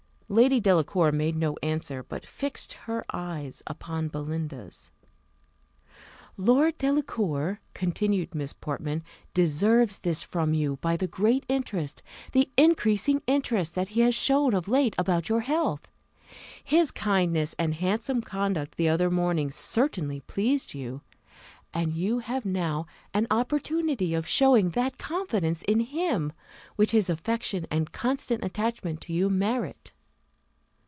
Lady Delacour made no answer, but fixed her eyes upon Belinda's. "Lord Delacour," continued Miss Portman, "deserves this from you, by the great interest, the increasing interest, that he has shown of late about your health: his kindness and handsome conduct the other morning certainly pleased you, and you have now an opportunity of showing that confidence in him, which his affection and constant attachment to you merit."